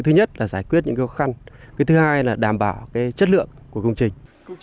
thứ nhất là giải quyết những khó khăn cái thứ hai là đảm bảo chất lượng của công trình